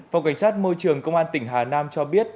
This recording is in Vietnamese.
phòng cảnh sát môi trường công an tỉnh hà nam cho biết